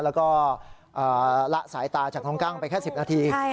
แล้วก็ละสายตาจากน้องกั้งไปแค่๑๐นาที